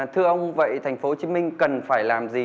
thưa ông vậy thành phố hồ chí minh cần phải làm gì